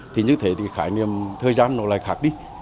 thì như thế thì khái niệm thời gian nó lại khác đi